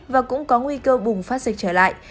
và cũng có nguy cơ bùng phát dịch trở lại